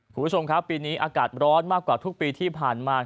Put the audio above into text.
คุณผู้ชมครับปีนี้อากาศร้อนมากกว่าทุกปีที่ผ่านมา